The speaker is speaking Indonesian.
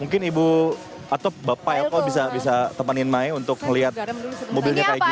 mungkin ibu atau pak elko bisa temanin mai untuk ngelihat mobilnya kayak gimana